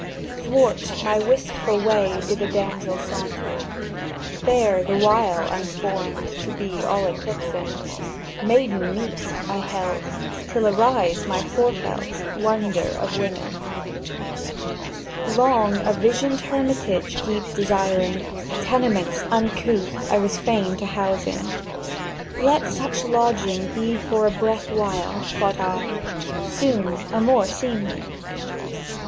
Thwart my wistful way did a damsel saunter, Fair, the while unformed to be all eclipsing; "Maiden meet," held I, "till arise my forefelt Wonder of women." Long a visioned hermitage deep desiring, Tenements uncouth I was fain to house in; "Let such lodging be for a breath while," thought I, "Soon a more seemly.